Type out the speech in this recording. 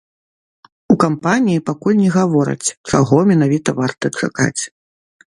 У кампаніі пакуль не гавораць, чаго менавіта варта чакаць.